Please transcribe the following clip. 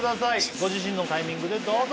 ご自身のタイミングでどうぞ！